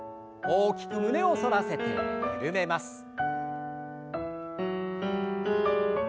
大きく胸を反らせて緩めます。